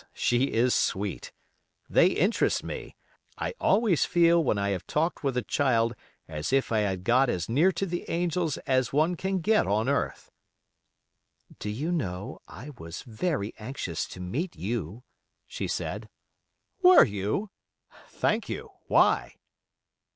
She is sweet. They interest me. I always feel when I have talked with a child as if I had got as near to the angels as one can get on earth." "Do you know I was very anxious to meet you," she said. "Were you? Thank you. Why?"